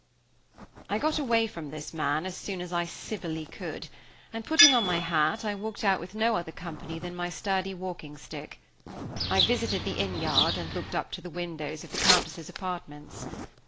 I got away from this man as soon as I civilly could, and, putting on my hat, I walked out with no other company than my sturdy walking stick. I visited the inn yard, and looked up to the windows of the Countess's apartments.